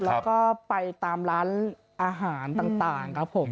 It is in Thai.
แล้วก็ไปตามร้านอาหารต่างครับผม